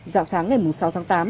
dạng sáng ngày sáu tháng tám